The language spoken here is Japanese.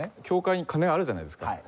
教会に鐘あるじゃないですか。